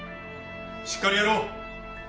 しっかりやろう。